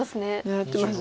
狙ってます。